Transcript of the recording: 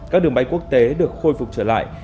các đường bay quốc tế được khôi phục trở lại